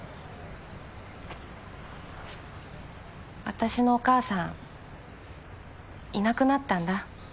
私のお母さんいなくなったんだ。